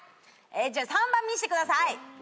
じゃあ３番見してください。